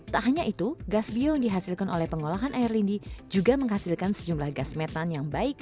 tak hanya itu gas bio yang dihasilkan oleh pengolahan air lindi juga menghasilkan sejumlah gas metan yang baik